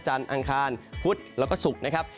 อังคารพุธแล้วก็ศุกร์นะครับ